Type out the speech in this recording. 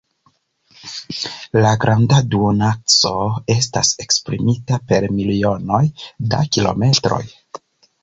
La granda duonakso estas esprimita per milionoj da kilometroj.